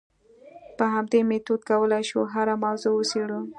په همدې میتود کولای شو هره موضوع وڅېړو.